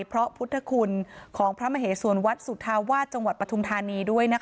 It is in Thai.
เพราะพุทธคุณของพระมเหสวนวัดสุธาวาสจังหวัดปฐุมธานีด้วย